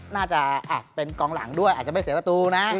น่าจะเป็นกองหลังด้วยอาจจะไม่เสียประตูนะ